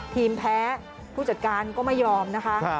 แพ้ผู้จัดการก็ไม่ยอมนะคะ